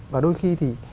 và đôi khi thì